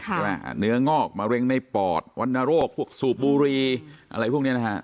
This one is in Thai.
เนื้องอกมะเร็งในปอดวรรณโรคพวกสูบบุรีอะไรพวกนี้นะฮะ